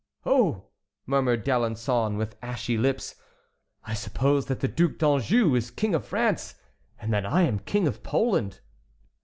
"Oh!" murmured D'Alençon with ashy lips, "I suppose that the Duc d'Anjou is King of France, and that I am King of Poland."